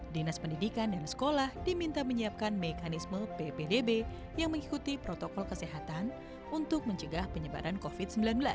dinas pendidikan dan sekolah diminta menyiapkan mekanisme ppdb yang mengikuti protokol kesehatan untuk mencegah penyebaran covid sembilan belas